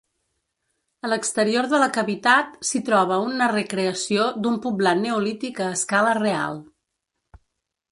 A l'exterior de la cavitat s'hi troba una recreació d'un poblat neolític a escala real.